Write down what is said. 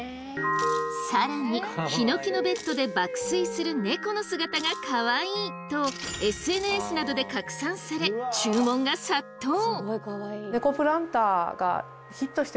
更にヒノキのベッドで爆睡する猫の姿がかわいいとＳＮＳなどで拡散され注文が殺到！